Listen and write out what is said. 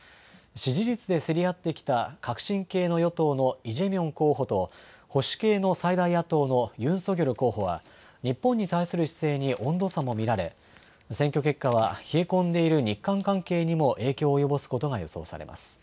支持率で競り合ってきた革新系の与党のイ・ジェミョン候補と保守系の最大野党のユン・ソギョル候補は日本に対する姿勢に温度差も見られ選挙結果は冷え込んでいる日韓関係にも影響を及ぼすことが予想されます。